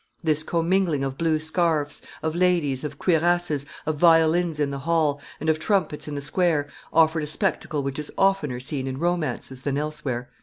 "This commingling of blue scarfs, of ladies, of cuirasses, of violins in the hall, and of trumpets in the square, offered a spectacle which is oftener seen in romances than elsewhere."